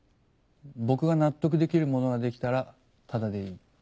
僕が納得できるものができたらタダでいい。